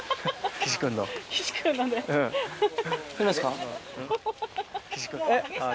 岸君。